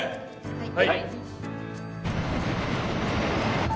はい。